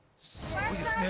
すごいですね。